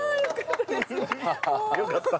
よかった。